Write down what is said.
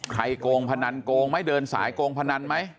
โกงพนันโกงไหมเดินสายโกงพนันไหม